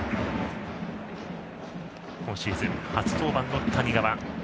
今シーズン、初登板の谷川。